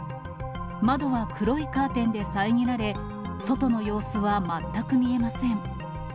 窓は黒いカーテンで遮られ、外の様子は全く見えません。